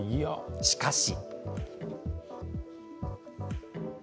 しかし。